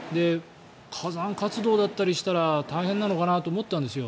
火山活動だったりしたら大変なのかなと思ったんですよ